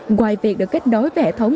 ngoài việc được kết nối với hệ thống